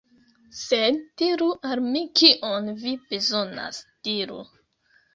Sed diru al mi kion vi bezonas. Diru!